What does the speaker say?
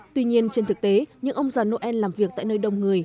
tuy nhiên trên thực tế những ông già noel làm việc tại nơi đông người